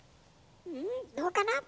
んどうかな？